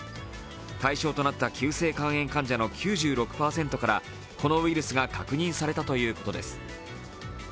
対象となった急性肝炎患者の９６％からこのウイルスが確認されたということです。